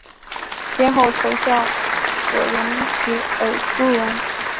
先后投效葛荣及尔朱荣。